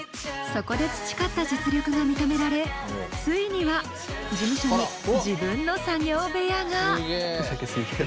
そこで培った実力が認められついには事務所に自分の作業部屋が！